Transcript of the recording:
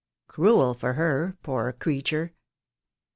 "Cruel for her, poor creature."